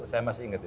saya masih ingat itu